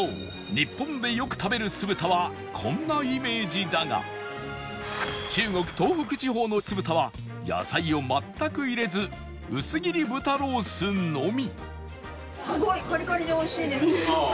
日本でよく食べる酢豚はこんなイメージだが中国東北地方の酢豚は野菜を全く入れず薄切り豚ロースのみ